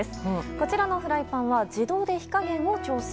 こちらのフライパンは自動で火加減を調整。